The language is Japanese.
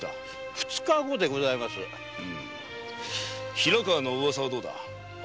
平川のウワサはどうだ？